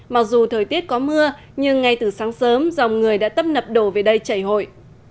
mặc dù thời tiết có mưa nhưng ngay từ sáng sớm dòng người đã tấp nập đổ về đây chảy hội